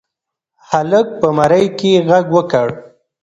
هلک په مرۍ کې غږ وکړ.